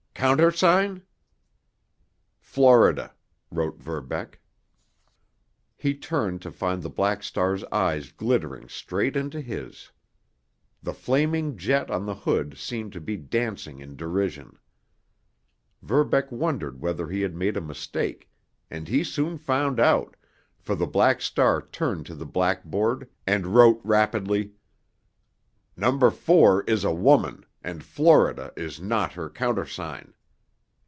"Countersign?" "Florida," wrote Verbeck. He turned to find the Black Star's eyes glittering straight into his. The flaming jet on the hood seemed to be dancing in derision. Verbeck wondered whether he had made a mistake, and he soon found out, for the Black Star turned to the blackboard and wrote rapidly: "Number Four is a woman, and Florida is not her countersign."